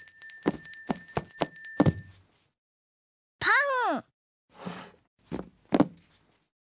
パン。